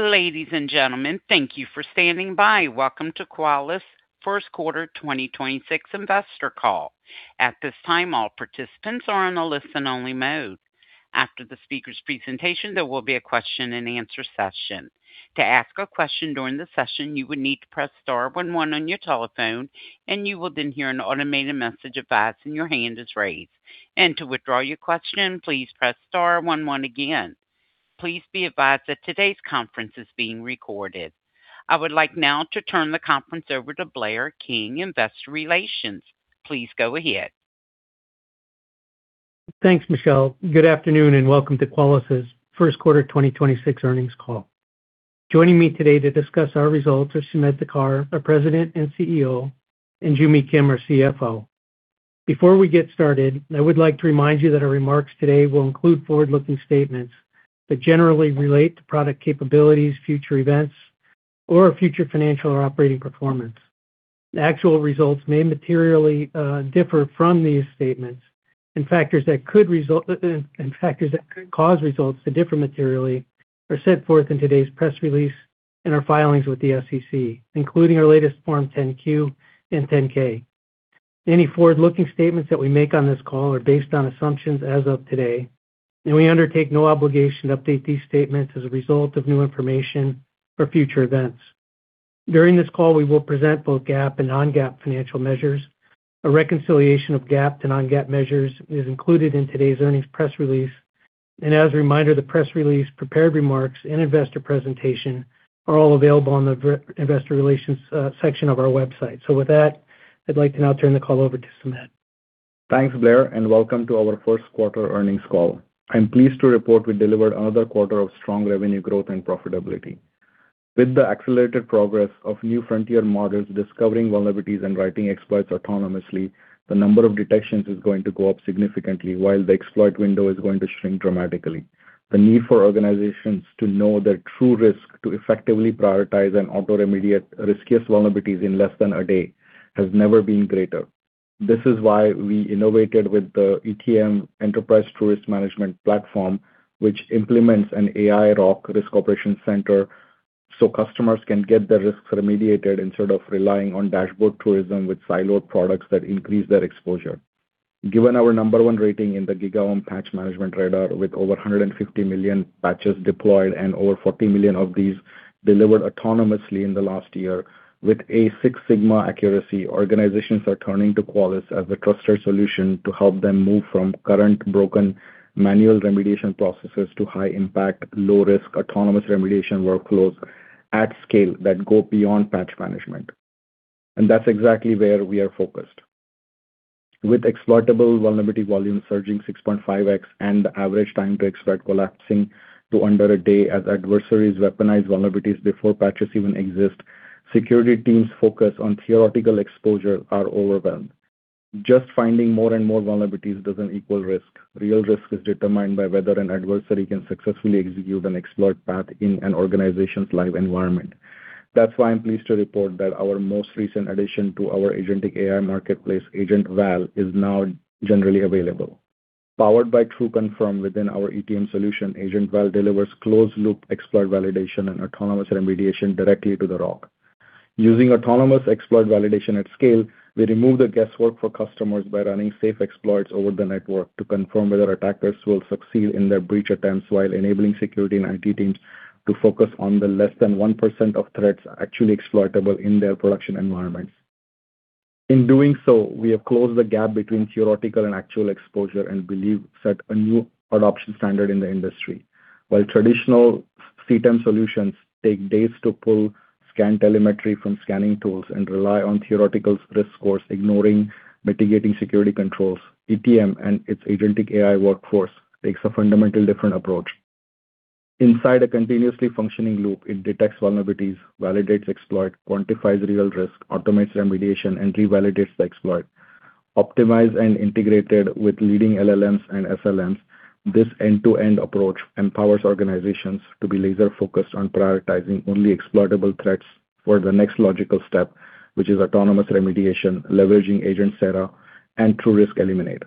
Ladies and gentlemen, thank you for standing by. Welcome to Qualys' first quarter 2026 investor call. At this time, all participants are on a listen-only mode. After the speaker's presentation, there will be a question and answer session. To ask a question during the session, you would need to press star one one on your telephone, and you will then hear an automated message advising your hand is raised. To withdraw your question, please press star one one again. Please be advised that today's conference is being recorded. I would like now to turn the conference over to Blair King, VP, Investor Relations. Please go ahead. Thanks, Michelle. Good afternoon, and welcome to Qualys' first quarter 2026 earnings call. Joining me today to discuss our results are Sumedh Thakar, our President and CEO, and Joo Mi Kim, our CFO. Before we get started, I would like to remind you that our remarks today will include forward-looking statements that generally relate to product capabilities, future events, or future financial or operating performance. Actual results may materially differ from these statements, and factors that could cause results to differ materially are set forth in today's press release and our filings with the SEC, including our latest Form 10-Q and 10-K. Any forward-looking statements that we make on this call are based on assumptions as of today, and we undertake no obligation to update these statements as a result of new information or future events. During this call, we will present both GAAP and non-GAAP financial measures. A reconciliation of GAAP to non-GAAP measures is included in today's earnings press release. As a reminder, the press release, prepared remarks, and investor presentation are all available on the Investor Relations section of our website. With that, I'd like to now turn the call over to Sumedh. Thanks, Blair, and welcome to our first quarter earnings call. I'm pleased to report we delivered another quarter of strong revenue growth and profitability. With the accelerated progress of new frontier models discovering vulnerabilities and writing exploits autonomously, the number of detections is going to go up significantly while the exploit window is going to shrink dramatically. The need for organizations to know their true risk to effectively prioritize and auto-remediate riskiest vulnerabilities in less than one day has never been greater. This is why we innovated with the ETM Enterprise TruRisk Management platform, which implements an Artificial Intelligence-native Risk Operations Center risk operations center so customers can get their risks remediated instead of relying on dashboard tourism with siloed products that increase their exposure. Given our number one rating in the GigaOm Patch Management Radar with over 150 million patches deployed and over 40 million of these delivered autonomously in the last year with a Six Sigma accuracy, organizations are turning to Qualys as a trusted solution to help them move from current broken manual remediation processes to high-impact, low-risk, autonomous remediation workloads at scale that go beyond Patch Management. That's exactly where we are focused. With exploitable vulnerability volume surging 6.5x and the average time to exploit collapsing to under a day as adversaries weaponize vulnerabilities before patches even exist, security teams focused on theoretical exposure are overwhelmed. Just finding more and more vulnerabilities doesn't equal risk. Real risk is determined by whether an adversary can successfully execute an exploit path in an organization's live environment. That's why I'm pleased to report that our most recent addition to our Agentic AI marketplace, Agent Val, is now generally available. Powered by TruConfirm within our Enterprise TruRisk Management solution, Agent Val delivers closed-loop exploit validation and autonomous remediation directly to the ROC. Using autonomous exploit validation at scale, we remove the guesswork for customers by running safe exploits over the network to confirm whether attackers will succeed in their breach attempts while enabling security and IT teams to focus on the less than 1% of threats actually exploitable in their production environments. In doing so, we have closed the gap between theoretical and actual exposure and believe set a new adoption standard in the industry. While traditional Continuous Threat Exposure Management solutions take days to pull scan telemetry from scanning tools and rely on theoretical risk scores, ignoring mitigating security controls, ETM and its Agentic AI workforce takes a fundamentally different approach. Inside a continuously functioning loop, it detects vulnerabilities, validates exploit, quantifies real risk, automates remediation, and revalidates the exploit. Optimized and integrated with leading Large Language Models and Small Language Models, this end-to-end approach empowers organizations to be laser-focused on prioritizing only exploitable threats for the next logical step, which is autonomous remediation, leveraging Agent Sarah and TruRisk Eliminate.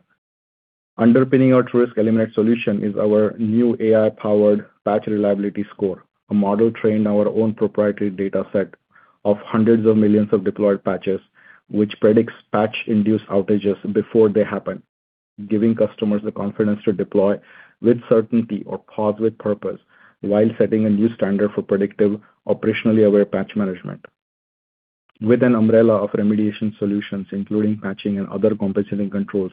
Underpinning our TruRisk Eliminate solution is our new AI-powered patch reliability score, a model trained in our own proprietary data set of hundreds of millions of deployed patches, which predicts patch-induced outages before they happen, giving customers the confidence to deploy with certainty or pause with purpose while setting a new standard for predictive, operationally aware patch management. With an umbrella of remediation solutions, including patching and other compensating controls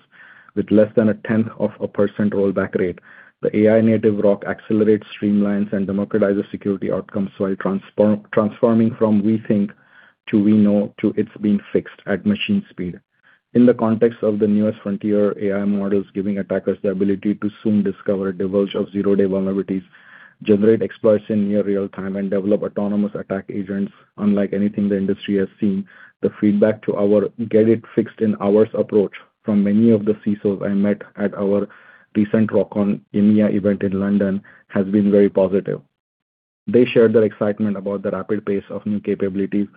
with less than a tenth of a percent rollback rate, the AI-native ROC accelerates, streamlines, and democratizes security outcomes while transforming from "We think" to "We know" to "It's been fixed" at machine speed. In the context of the newest frontier AI models giving attackers the ability to soon discover and divulge of zero-day vulnerabilities, generate exploits in near real-time, and develop autonomous attack agents unlike anything the industry has seen, the feedback to our get-it-fixed-in-hours approach from many of the Chief Information Security Officer I met at our recent Risk Operations Conference EMEA event in London has been very positive. They shared their excitement about the rapid pace of new capabilities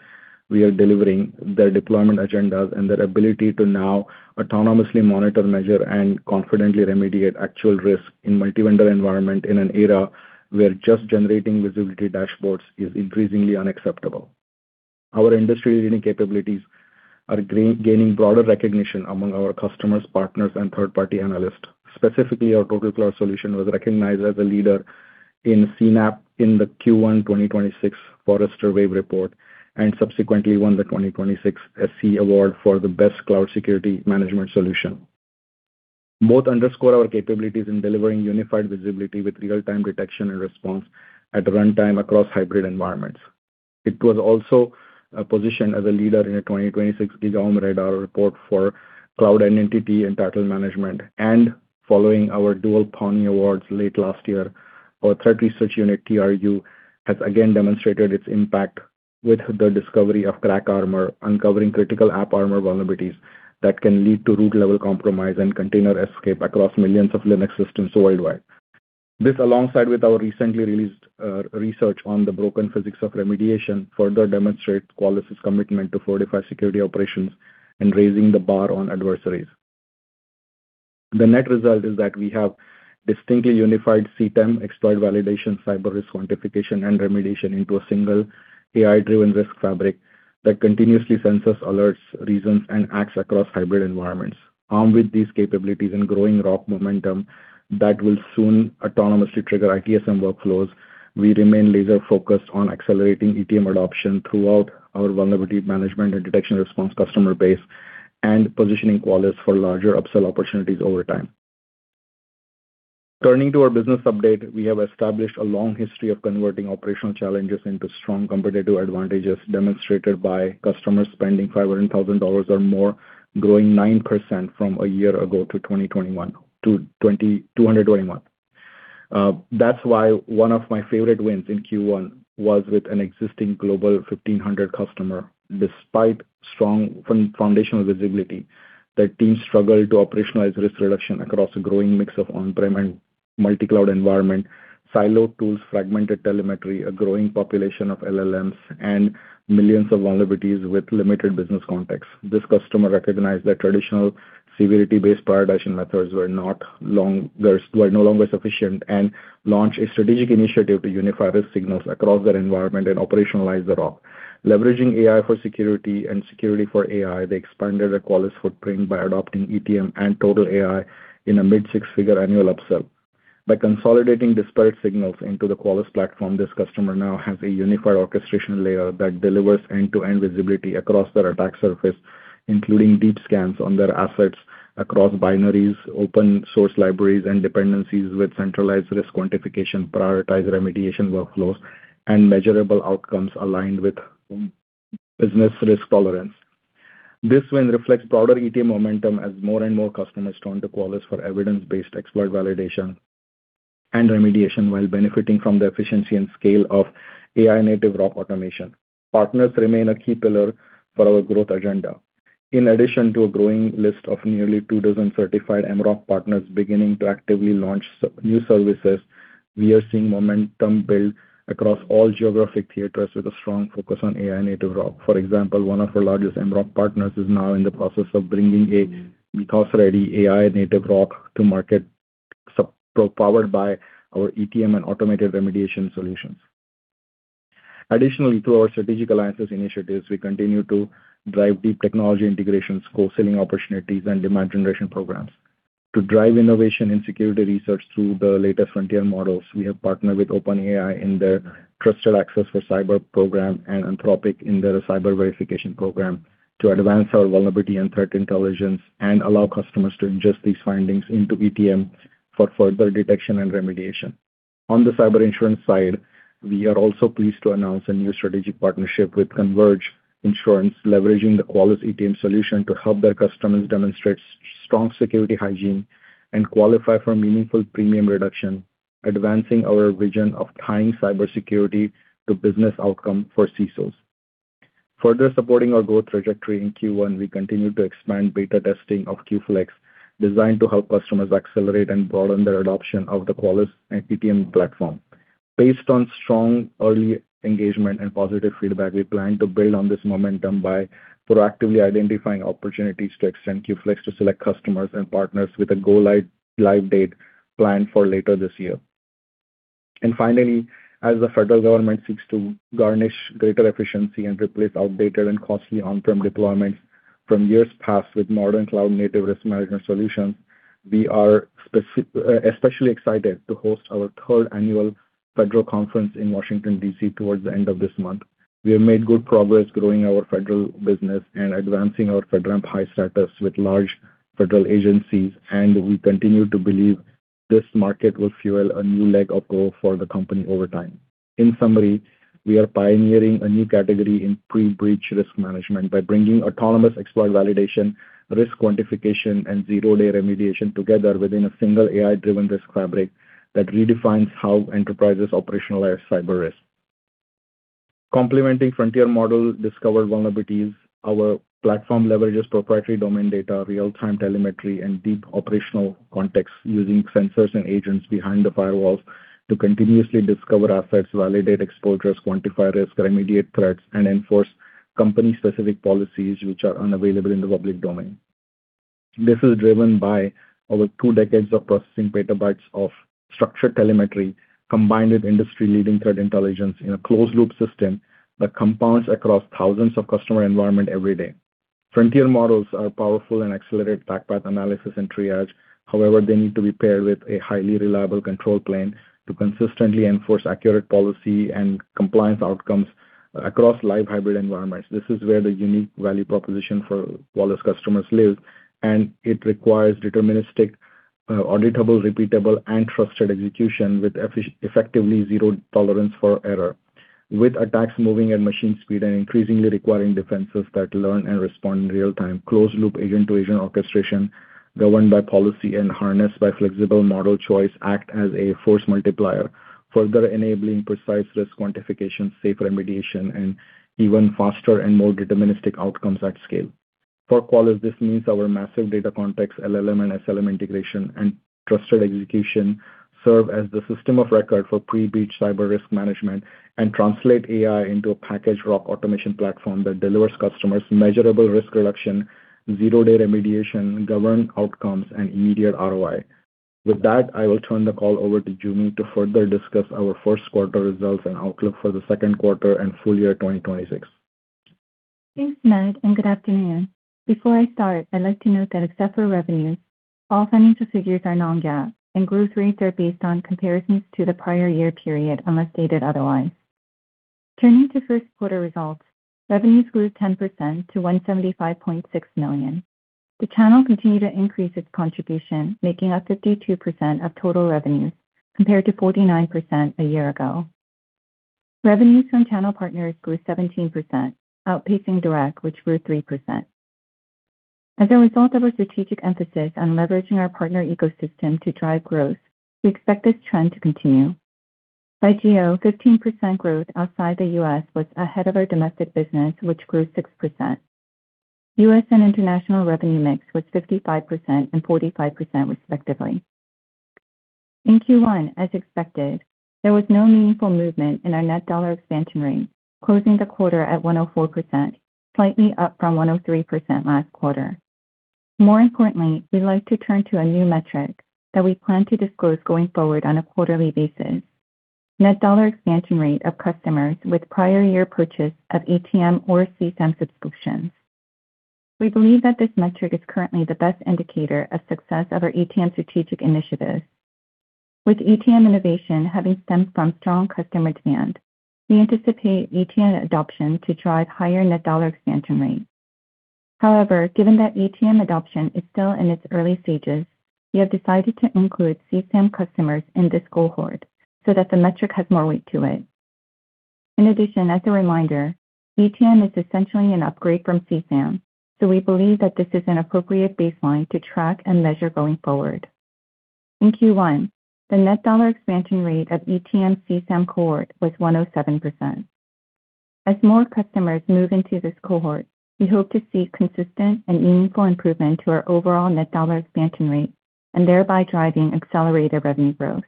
we are delivering, their deployment agendas, and their ability to now autonomously monitor, measure, and confidently remediate actual risk in multi-vendor environment in an era where just generating visibility dashboards is increasingly unacceptable. Our industry-leading capabilities are gaining broader recognition among our customers, partners, and third-party analysts. Specifically, our TotalCloud solution was recognized as a leader in Cloud-Native Application Protection Platform in the Q1 2026 Forrester Wave report and subsequently won the 2026 SC Award for the Best Cloud Security Management Solution. Both underscore our capabilities in delivering unified visibility with real-time detection and response at runtime across hybrid environments. It was also positioned as a leader in a 2026 GigaOm Radar report for cloud identity and entitlement management. Following our dual Pwnie Awards late last year, our Threat Research Unit, TRU, has again demonstrated its impact with the discovery of CrackArmor, uncovering critical AppArmor vulnerabilities that can lead to root-level compromise and container escape across millions of Linux systems worldwide. This, alongside with our recently released research on the broken physics of remediation, further demonstrates Qualys' commitment to fortify security operations and raising the bar on adversaries. The net result is that we have distinctly unified CTEM, exploit validation, cyber risk quantification, and remediation into a single AI-driven risk fabric that continuously senses, alerts, reasons, and acts across hybrid environments. Armed with these capabilities and growing ROC momentum that will soon autonomously trigger IT Service Management workflows, we remain laser-focused on accelerating ETM adoption throughout our Vulnerability Management, Detection and Response customer base and positioning Qualys for larger upsell opportunities over time. Turning to our business update, we have established a long history of converting operational challenges into strong competitive advantages, demonstrated by customer spending $500,000 or more, growing 9% from a year ago to 2021 To 2,221. That's why one of my favorite wins in Q1 was with an existing global 1,500 customer. Despite strong foundational visibility, their team struggled to operationalize risk reduction across a growing mix of on-premises and multi-cloud environment, siloed tools, fragmented telemetry, a growing population of LLMs, and millions of vulnerabilities with limited business context. This customer recognized that traditional severity-based prioritization methods were not long were no longer sufficient and launched a strategic initiative to unify risk signals across their environment and operationalize the ROC. Leveraging AI for security and security for AI, they expanded their Qualys footprint by adopting ETM and TotalAI in a mid six-figure annual upsell. By consolidating disparate signals into the Qualys platform, this customer now has a unified orchestration layer that delivers end-to-end visibility across their attack surface, including deep scans on their assets across binaries, open source libraries, and dependencies with centralized risk quantification, prioritized remediation workflows, and measurable outcomes aligned with business risk tolerance. This win reflects broader ETM momentum as more and more customers turn to Qualys for evidence-based exploit validation and remediation while benefiting from the efficiency and scale of AI-native ROC automation. Partners remain a key pillar for our growth agenda. In addition to a growing list of nearly two dozen certified mROC partners beginning to actively launch new services, we are seeing momentum build across all geographic theaters with a strong focus on AI-native ROC. For example, one of our largest Managed Risk Operations Center partners is now in the process of bringing a Managed Security Operations Centers-ready AI-native ROC to market powered by our ETM and automated remediation solutions. Through our strategic alliances initiatives, we continue to drive deep technology integrations, co-selling opportunities, and demand generation programs. To drive innovation in security research through the latest frontier models, we have partnered with OpenAI in their Trusted Access for Cyber program and Anthropic in their Cyber Verification Program to advance our vulnerability and threat intelligence and allow customers to ingest these findings into ETM for further detection and remediation. On the cyber insurance side, we are also pleased to announce a new strategic partnership with Converge Insurance, leveraging the Qualys ETM solution to help their customers demonstrate strong security hygiene and qualify for meaningful premium reduction, advancing our vision of tying cybersecurity to business outcome for CISOs. Further supporting our growth trajectory in Q1, we continued to expand beta testing of QFlex, designed to help customers accelerate and broaden their adoption of the Qualys and ETM platform. Based on strong early engagement and positive feedback, we plan to build on this momentum by proactively identifying opportunities to extend QFlex to select customers and partners with a go-live date planned for later this year. Finally, as the federal government seeks to garnish greater efficiency and replace outdated and costly on-premise deployments from years past with modern cloud native risk management solutions, we are especially excited to host our third annual federal conference in Washington, D.C., towards the end of this month. We have made good progress growing our federal business and advancing our FedRAMP high status with large federal agencies, and we continue to believe this market will fuel a new leg of growth for the company over time. In summary, we are pioneering a new category in pre-breach risk management by bringing autonomous exploit validation, risk quantification, and zero-day remediation together within a single AI-driven risk fabric that redefines how enterprises operationalize cyber risk. Complementing frontier model discovered vulnerabilities, our platform leverages proprietary domain data, real-time telemetry, and deep operational context using sensors and agents behind the firewalls to continuously discover assets, validate exposures, quantify risk, remediate threats, and enforce company-specific policies which are unavailable in the public domain. This is driven by over two decades of processing petabytes of structured telemetry combined with industry-leading threat intelligence in a closed-loop system that compounds across thousands of customer environment every day. Frontier models are powerful and accelerate attack path analysis and triage. However, they need to be paired with a highly reliable control plane to consistently enforce accurate policy and compliance outcomes across live hybrid environments. This is where the unique value proposition for Qualys customers lives, and it requires deterministic, auditable, repeatable, and trusted execution with effectively zero tolerance for error. With attacks moving at machine speed and increasingly requiring defenses that learn and respond in real time, closed-loop agent-to-agent orchestration, governed by policy and harnessed by flexible model choice, act as a force multiplier, further enabling precise risk quantification, safe remediation, and even faster and more deterministic outcomes at scale. For Qualys, this means our massive data context, LLM and SLM integration, and trusted execution serve as the system of record for pre-breach cyber risk management and translate AI into a patch automation platform that delivers customers measurable risk reduction, zero-day remediation, governed outcomes, and immediate ROI. I will turn the call over to Joo Mi to further discuss our first quarter results and outlook for the second quarter and full year 2026. Thanks, Sumedh, good afternoon. Before I start, I'd like to note that except for revenue, all financial figures are non-GAAP and growth rates are based on comparisons to the prior year period, unless stated otherwise. Turning to first quarter results, revenues grew 10% to $175.6 million. The channel continued to increase its contribution, making up 52% of total revenues, compared to 49% a year ago. Revenues from channel partners grew 17%, outpacing direct, which grew 3%. As a result of our strategic emphasis on leveraging our partner ecosystem to drive growth, we expect this trend to continue. By geo, 15% growth outside the U.S. was ahead of our domestic business, which grew 6%. U.S. and international revenue mix was 55% and 45% respectively. In Q1, as expected, there was no meaningful movement in our net dollar expansion rate, closing the quarter at 104%, slightly up from 103% last quarter. More importantly, we'd like to turn to a new metric that we plan to disclose going forward on a quarterly basis. Net dollar expansion rate of customers with prior year purchase of ETM or CyberSecurity Asset Management subscriptions. We believe that this metric is currently the best indicator of success of our ETM strategic initiatives. With ETM innovation having stemmed from strong customer demand, we anticipate ETM adoption to drive higher net dollar expansion rates. However, given that ETM adoption is still in its early stages, we have decided to include CSAM customers in this cohort so that the metric has more weight to it. In addition, as a reminder, ETM is essentially an upgrade from CSAM, so we believe that this is an appropriate baseline to track and measure going forward. In Q1, the net dollar expansion rate of ETM/CSAM cohort was 107%. As more customers move into this cohort, we hope to see consistent and meaningful improvement to our overall net dollar expansion rate and thereby driving accelerated revenue growth.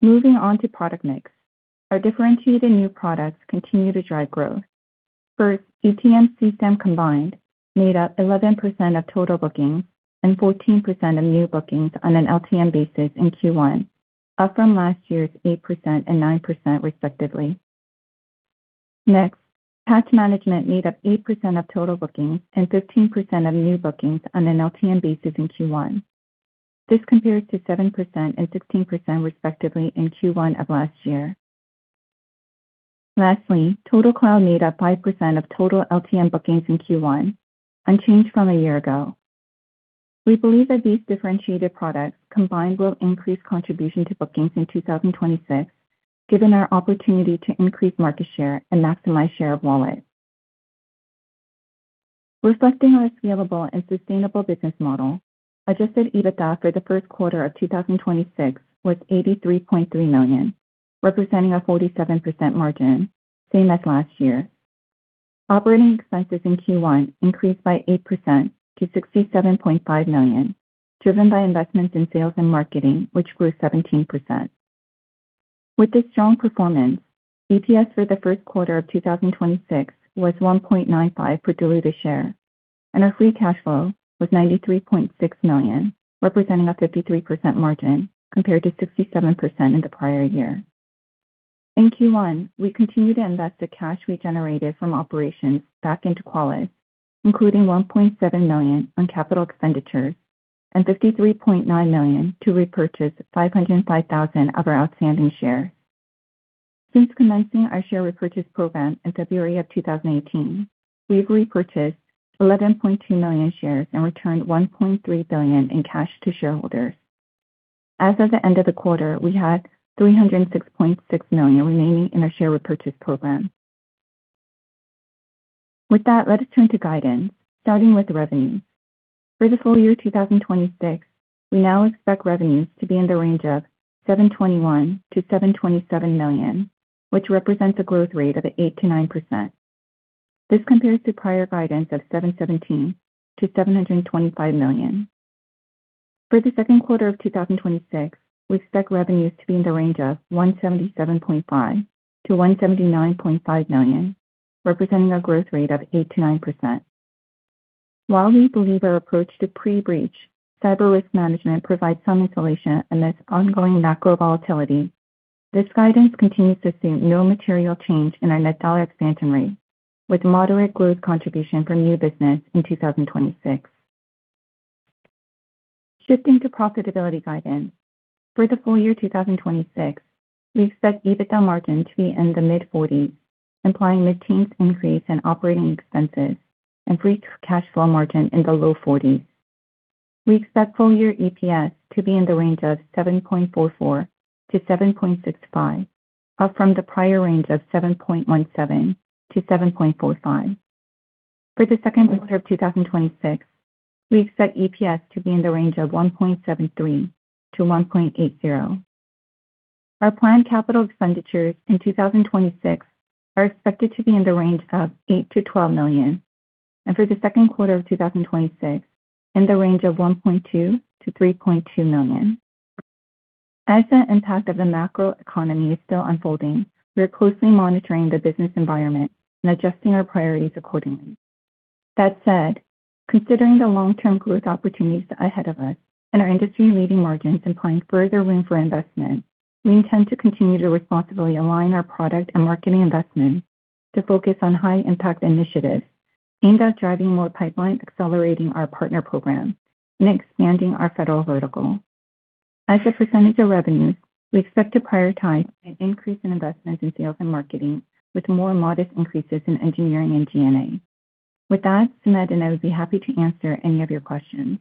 Moving on to product mix, our differentiated new products continue to drive growth. First, ETM/CSAM combined made up 11% of total bookings and 14% of new bookings on an LTM basis in Q1, up from last year's 8% and 9% respectively. Next, Patch Management made up 8% of total bookings and 15% of new bookings on an LTM basis in Q1. This compares to 7% and 16% respectively in Q1 of last year. Lastly, TotalCloud made up 5% of total LTM bookings in Q1, unchanged from a year ago. We believe that these differentiated products combined will increase contribution to bookings in 2026, given our opportunity to increase market share and maximize share of wallet. Reflecting on a scalable and sustainable business model, Adjusted EBITDA for the first quarter of 2026 was $83.3 million, representing a 47% margin, same as last year. Operating expenses in Q1 increased by 8% to $67.5 million, driven by investments in sales and marketing, which grew 17%. With this strong performance, EPS for the first quarter of 2026 was $1.95 per diluted share, and our free cash flow was $93.6 million, representing a 53% margin compared to 67% in the prior year. In Q1, we continued to invest the cash we generated from operations back into Qualys, including $1.7 million on capital expenditures and $53.9 million to repurchase 505,000 of our outstanding shares. Since commencing our share repurchase program in February of 2018, we have repurchased 11.2 million shares and returned $1.3 billion in cash to shareholders. As of the end of the quarter, we had $306.6 million remaining in our share repurchase program. With that, let us turn to guidance, starting with revenue. For the full year 2026, we now expect revenues to be in the range of $721 million-$727 million, which represents a growth rate of 8%-9%. This compares to prior guidance of $717 million-$725 million. For the second quarter of 2026, we expect revenues to be in the range of $177.5 million-$179.5 million, representing a growth rate of 8%-9%. While we believe our approach to pre-breach cyber risk management provides some insulation amidst ongoing macro volatility, this guidance continues to assume no material change in our net dollar expansion rate, with moderate growth contribution from new business in 2026. Shifting to profitability guidance. For the full year 2026, we expect EBITDA margin to be in the mid-40s, implying mid-10s increase in operating expenses and free cash flow margin in the low 40s. We expect full year EPS to be in the range of $7.44-$7.65, up from the prior range of $7.17-$7.45. For the second quarter of 2026, we expect EPS to be in the range of $1.73-$1.80. Our planned capital expenditures in 2026 are expected to be in the range of $8 million-$12 million and for the second quarter of 2026 in the range of $1.2 million-$3.2 million. As the impact of the macroeconomy is still unfolding, we are closely monitoring the business environment and adjusting our priorities accordingly. That said, considering the long-term growth opportunities ahead of us and our industry-leading margins implying further room for investment, we intend to continue to responsibly align our product and marketing investments to focus on high-impact initiatives aimed at driving more pipeline, accelerating our partner program, and expanding our federal vertical. As a percentage of revenue, we expect to prioritize an increase in investments in sales and marketing with more modest increases in engineering and G&A. With that, Sumedh and I would be happy to answer any of your questions.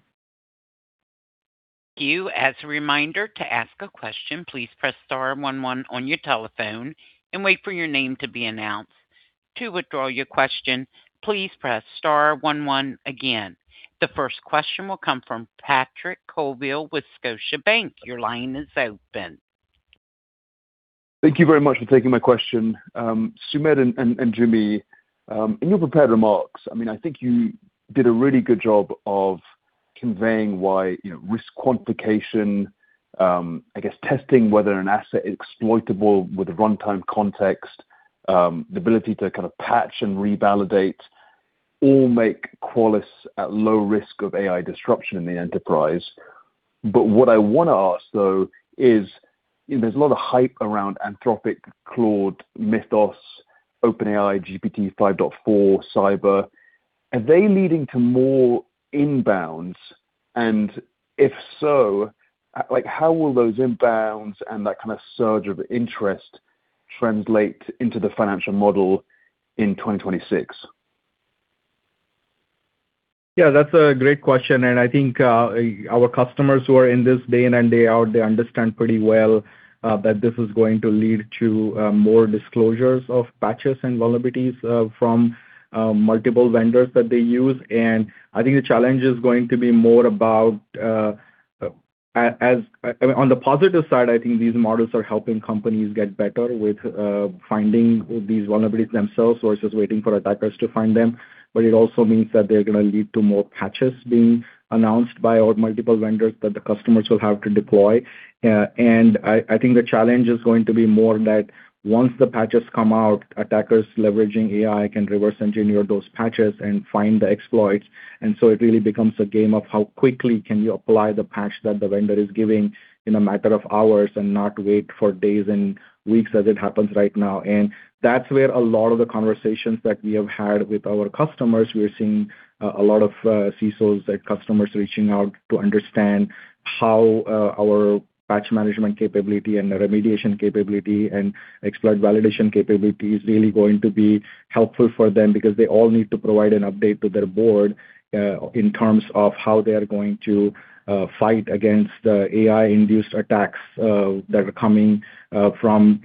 As a reminder, to ask a question, please press star one one on your telephone and wait for your name to be announced. To withdraw your question, please press star one one again. The first question will come from Patrick Colville with Scotiabank. Your line is open. Thank you very much for taking my question. Sumedh and, and Joo Mi, in your prepared remarks, I mean, I think you did a really good job of conveying why, you know, risk quantification, I guess testing whether an asset is exploitable with a runtime context, the ability to kind of patch and revalidate all make Qualys at low risk of AI disruption in the enterprise. What I wanna ask though is, you know, there's a lot of hype around Anthropic, Claude Mythos, OpenAI, GPT-5.4, Cyber. Are they leading to more inbounds? If so, like, how will those inbounds and that kind of surge of interest translate into the financial model in 2026? That's a great question. I think our customers who are in this day in and day out, they understand pretty well that this is going to lead to more disclosures of patches and vulnerabilities from multiple vendors that they use. I think the challenge is going to be more about, as I mean, on the positive side, I think these models are helping companies get better with finding these vulnerabilities themselves versus waiting for attackers to find them. It also means that they're gonna lead to more patches being announced by all multiple vendors that the customers will have to deploy. I think the challenge is going to be more that once the patches come out, attackers leveraging AI can reverse engineer those patches and find the exploits. It really becomes a game of how quickly can you apply the patch that the vendor is giving in a matter of hours and not wait for days and weeks as it happens right now. That's where a lot of the conversations that we have had with our customers, we are seeing a lot of CISOs, like customers reaching out to understand how our patch management capability and remediation capability and exploit validation capability is really going to be helpful for them because they all need to provide an update to their board in terms of how they are going to fight against AI-induced attacks that are coming from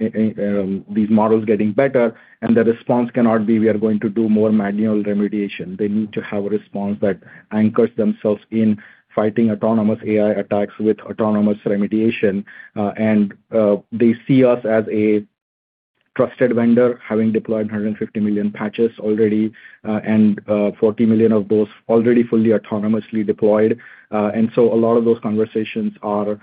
these models getting better. The response cannot be we are going to do more manual remediation. They need to have a response that anchors themselves in fighting autonomous AI attacks with autonomous remediation. They see us as a trusted vendor, having deployed 150 million patches already, and 40 million of those already fully autonomously deployed. A lot of those conversations are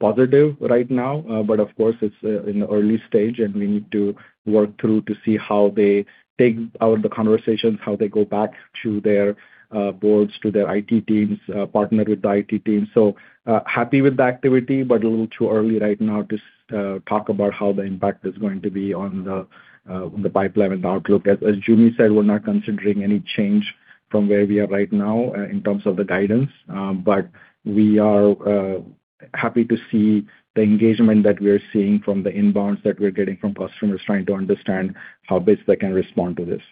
positive right now. Of course, it's in the early stage, and we need to work through to see how they take out the conversations, how they go back to their boards, to their IT teams, partner with the IT teams. Happy with the activity, but a little too early right now to talk about how the impact is going to be on the pipeline and outlook. As Joo Mi said, we're not considering any change from where we are right now in terms of the guidance. We are happy to see the engagement that we are seeing from the inbounds that we're getting from customers trying to understand how best they can respond to this.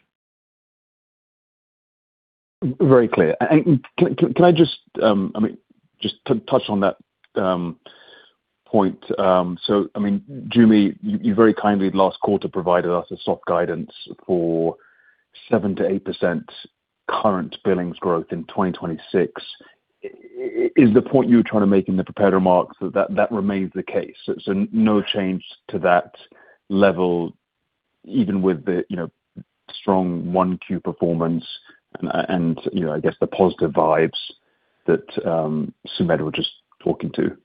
Very clear. Can I just, I mean, just to touch on that point. I mean, Joo Mi, you very kindly last quarter provided us a soft guidance for 7%-8% current billings growth in 2026. Is the point you were trying to make in the prepared remarks that remains the case? No change to that level? Even with the, you know, strong 1Q performance and, you know, I guess the positive vibes that Sumedh was just talking to.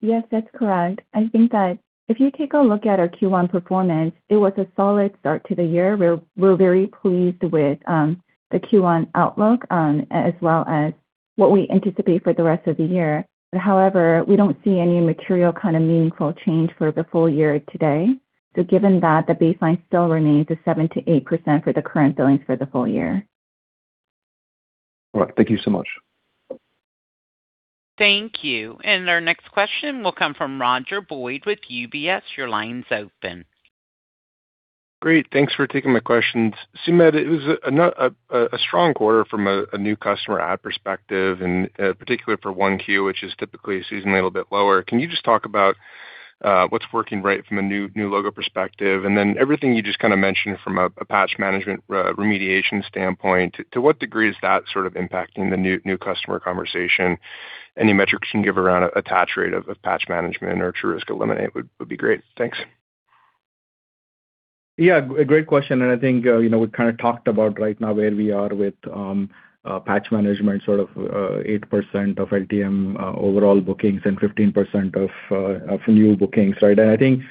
Yes, that's correct. I think that if you take a look at our Q1 performance, it was a solid start to the year. We're very pleased with the Q1 outlook as well as what we anticipate for the rest of the year. However, we don't see any material kind of meaningful change for the full year today. Given that, the baseline still remains a 7%-8% for the current billings for the full year. All right. Thank you so much. Thank you. Our next question will come from Roger Boyd with UBS. Your line's open. Great. Thanks for taking my questions. Sumedh, it was not a strong quarter from a new customer ad perspective and particularly for 1Q, which is typically seasonally a little bit lower. Can you just talk about what's working right from a new logo perspective? Then everything you just kind of mentioned from a Patch Management remediation standpoint, to what degree is that sort of impacting the new customer conversation? Any metrics you can give around attach rate of Patch Management or TruRisk Eliminate would be great. Thanks. Yeah. A great question. I think, you know, we kind of talked about right now where we are with Patch Management, sort of 8% of Last Twelve Months overall bookings and 15% of new bookings, right? I think,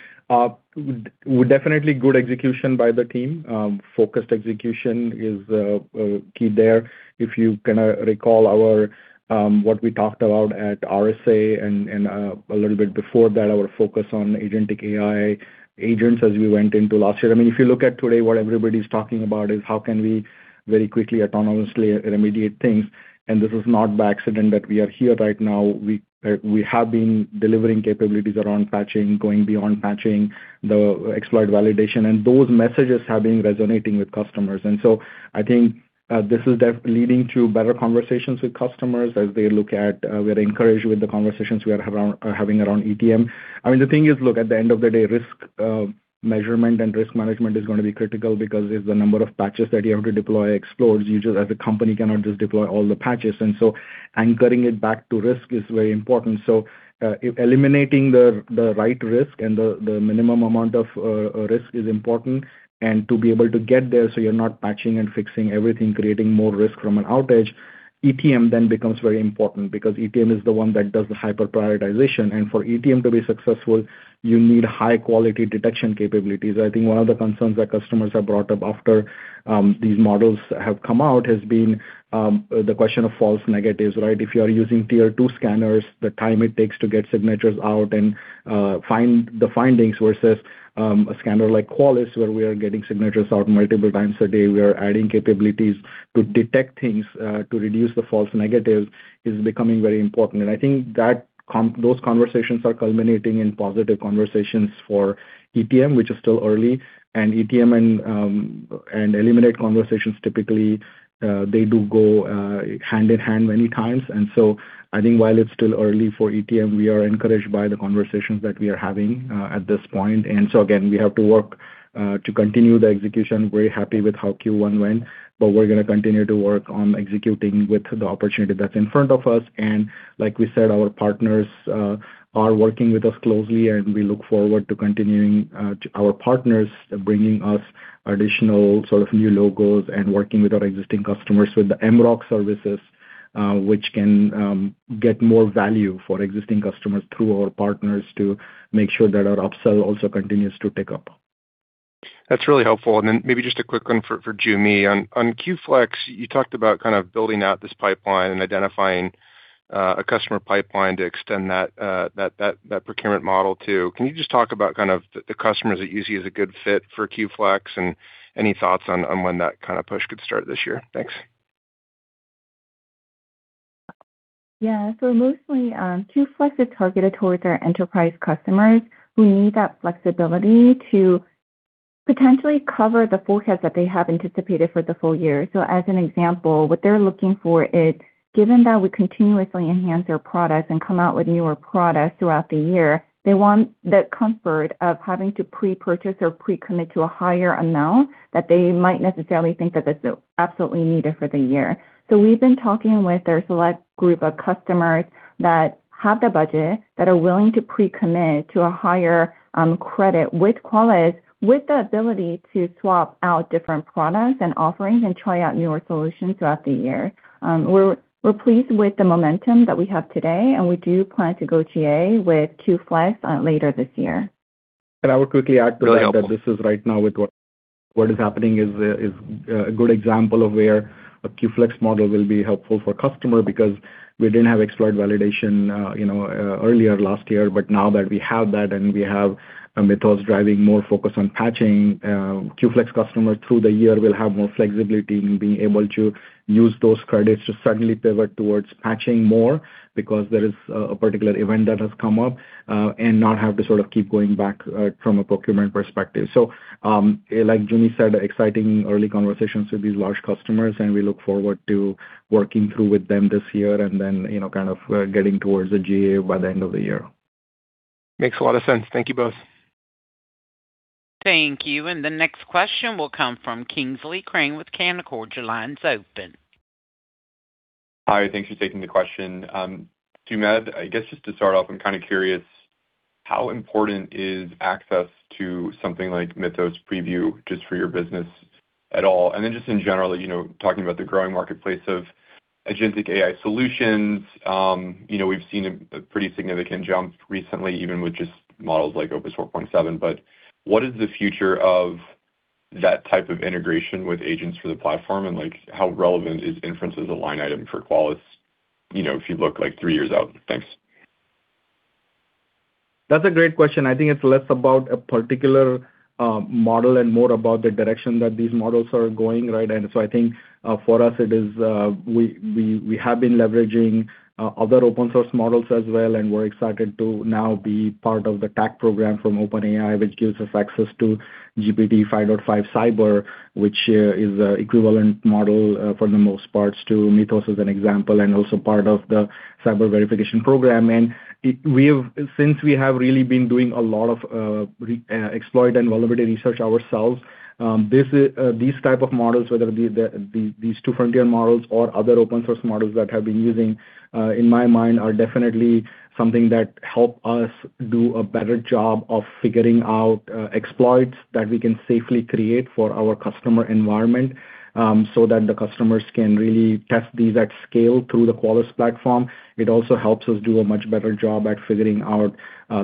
definitely good execution by the team. Focused execution is key there. If you kinda recall our what we talked about at RSA and a little bit before that, our focus on Agentic AI agents as we went into last year. I mean, if you look at today, what everybody's talking about is how can we very quickly autonomously remediate things. This is not by accident that we are here right now. We have been delivering capabilities around patching, going beyond patching, the exploit validation. Those messages have been resonating with customers. I think this is leading to better conversations with customers as they look at, we are encouraged with the conversations we are having around ETM. I mean, the thing is, look, at the end of the day, risk measurement and risk management is gonna be critical because if the number of patches that you have to deploy explodes, you just as a company cannot just deploy all the patches. Anchoring it back to risk is very important. Eliminating the right risk and the minimum amount of risk is important. To be able to get there so you're not patching and fixing everything, creating more risk from an outage, ETM then becomes very important because ETM is the one that does the hyper prioritization. For ETM to be successful, you need high-quality detection capabilities. I think one of the concerns that customers have brought up after these models have come out has been the question of false negatives, right? If you are using Tier 2 scanners, the time it takes to get signatures out and find the findings versus a scanner like Qualys, where we are getting signatures out multiple times a day. We are adding capabilities to detect things to reduce the false negatives is becoming very important. I think that those conversations are culminating in positive conversations for ETM, which is still early. ETM and Eliminate conversations typically, they do go hand in hand many times. I think while it's still early for ETM, we are encouraged by the conversations that we are having at this point. Again, we have to work to continue the execution. We're happy with how Q1 went, but we're gonna continue to work on executing with the opportunity that's in front of us. Like we said, our partners are working with us closely, and we look forward to continuing to our partners bringing us additional sort of new logos and working with our existing customers with the MROC services, which can get more value for existing customers through our partners to make sure that our upsell also continues to tick up. That's really helpful. Then maybe just a quick one for Joo Mi. On Q-Flex, you talked about kind of building out this pipeline and identifying a customer pipeline to extend that procurement model too. Can you just talk about kind of the customers that you see as a good fit for Q-Flex and any thoughts on when that kind of push could start this year? Thanks. Yeah. Mostly, Q-Flex is targeted towards our enterprise customers who need that flexibility to potentially cover the forecast that they have anticipated for the full year. As an example, what they're looking for is, given that we continuously enhance their products and come out with newer products throughout the year, they want the comfort of having to pre-purchase or pre-commit to a higher amount that they might necessarily think that is absolutely needed for the year. We've been talking with a select group of customers that have the budget, that are willing to pre-commit to a higher credit with Qualys, with the ability to swap out different products and offerings and try out newer solutions throughout the year. We're pleased with the momentum that we have today, and we do plan to go General Availability with Q-Flex later this year. I would quickly add to that. Really helpful. that this is right now with what is happening is a good example of where a Q-Flex model will be helpful for customer because we didn't have exploit validation earlier last year. Now that we have that and we have methods driving more focus on patching, Q-Flex customers through the year will have more flexibility in being able to use those credits to suddenly pivot towards patching more because there is a particular event that has come up and not have to sort of keep going back from a procurement perspective. Like Joo Mi said, exciting early conversations with these large customers, and we look forward to working through with them this year and then getting towards the GA by the end of the year. Makes a lot of sense. Thank you both. Thank you. The next question will come from Kingsley Crane with Canaccord Genuity. Your line's open. Hi, thanks for taking the question. Sumedh, I guess just to start off, I'm kind of curious how important is access to something like Mythos Preview just for your business at all? Just in general, you know, talking about the growing marketplace of Agentic AI solutions, you know, we've seen a pretty significant jump recently even with just models like Opus 4.7. What is the future of that type of integration with agents for the platform and, like, how relevant is inference as a line item for Qualys, you know, if you look, like, three years out? Thanks. That's a great question. I think it's less about a particular model and more about the direction that these models are going, right? I think for us it is, we have been leveraging other open source models as well, and we're excited to now be part of the Trusted Access for Cyber program from OpenAI, which gives us access to GPT-5.5-Cyber, which is a equivalent model for the most parts to Claude Mythos as an example and also part of the Cyber Verification Program. Since we have really been doing a lot of exploit and vulnerability research ourselves, these type of models, whether it be these two frontier models or other open source models that have been using, in my mind are definitely something that help us do a better job of figuring out exploits that we can safely create for our customer environment, so that the customers can really test these at scale through the Qualys platform. It also helps us do a much better job at figuring out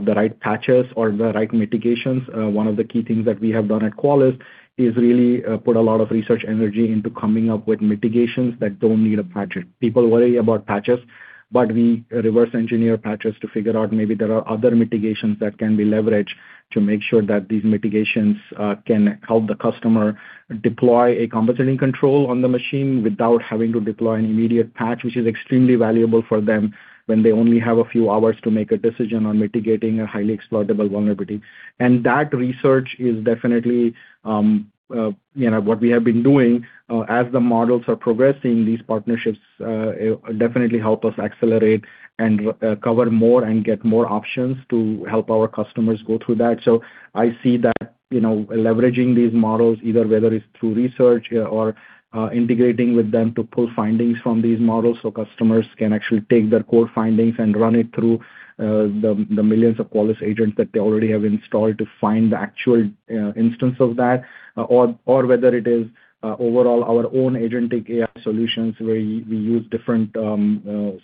the right patches or the right mitigations. One of the key things that we have done at Qualys is really put a lot of research energy into coming up with mitigations that don't need a patch. People worry about patches, but we reverse engineer patches to figure out maybe there are other mitigations that can be leveraged to make sure that these mitigations can help the customer deploy a compensating control on the machine without having to deploy an immediate patch, which is extremely valuable for them when they only have a few hours to make a decision on mitigating a highly exploitable vulnerability. That research is definitely, you know, what we have been doing. As the models are progressing, these partnerships definitely help us accelerate and cover more and get more options to help our customers go through that. I see that, you know, leveraging these models, either whether it's through research or integrating with them to pull findings from these models so customers can actually take their core findings and run it through the millions of Qualys agents that they already have installed to find the actual instance of that. Whether it is overall our own Agentic AI solutions where we use different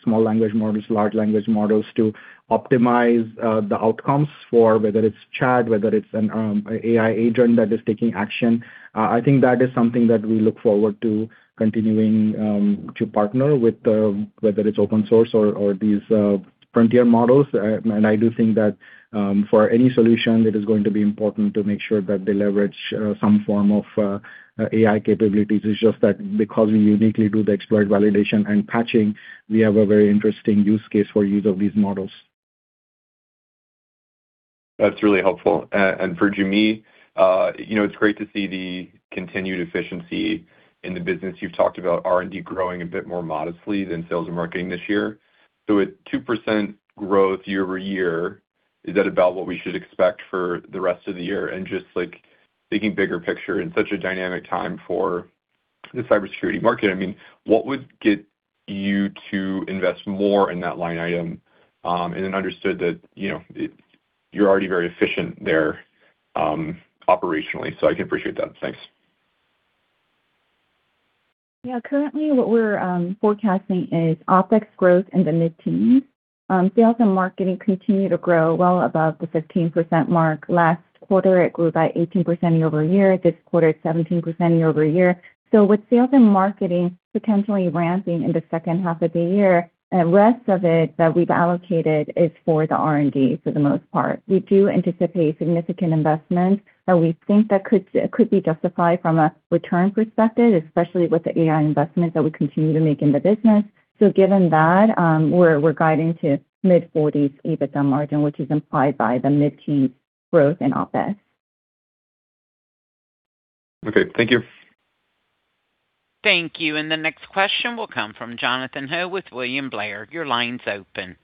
small language models, large language models to optimize the outcomes for whether it's chat, whether it's an AI Agent that is taking action. I think that is something that we look forward to continuing to partner with whether it's open source or these frontier models. I do think that for any solution, it is going to be important to make sure that they leverage some form of AI capabilities. It's just that because we uniquely do the exploit validation and patching, we have a very interesting use case for use of these models. That's really helpful. For Joo Mi, you know, it's great to see the continued efficiency in the business. You've talked about R&D growing a bit more modestly than sales and marketing this year. With 2% growth year-over-year, is that about what we should expect for the rest of the year? Just, like, thinking bigger picture, in such a dynamic time for the cybersecurity market, I mean, what would get you to invest more in that line item? Then understood that, you know, you're already very efficient there, operationally, so I can appreciate that. Thanks. Yeah. Currently, what we're forecasting is OpEx growth in the mid-teens. Sales and marketing continue to grow well above the 15% mark. Last quarter, it grew by 18% year-over-year. This quarter, it's 17% year-over-year. With sales and marketing potentially ramping in the second half of the year, the rest of it that we've allocated is for the R&D for the most part. We do anticipate significant investments that we think that could be justified from a returns perspective, especially with the AI investment that we continue to make in the business. Given that, we're guiding to mid-40s EBITDA margin, which is implied by the mid-teen growth in OpEx. Okay. Thank you. Thank you. The next question will come from Jonathan Ho with William Blair. Your line's open.